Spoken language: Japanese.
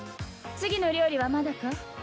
次の料理はまだか？